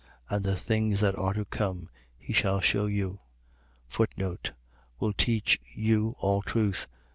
And the things that are to come, he shall shew you. Will teach you all truth.